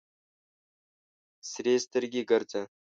سرې سترګې ګرځه.